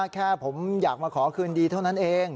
แค่ผมอยากมาขอคืนดีเท่านั้นเอง